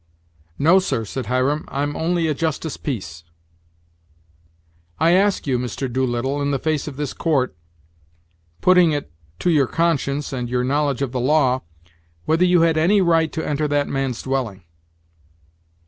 "No, sir," said Hiram, "I'm only a justice peace." "I ask you, Mr. Doolittle, in the face of this court, putting it to your conscience and your knowledge of the law, whether you had any right to enter that man's dwelling?"